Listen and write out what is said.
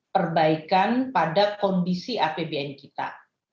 perbaikan pada kondisi apbn kita